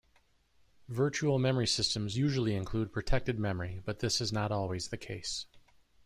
Virtual memory systems usually include protected memory, but this is not always the case.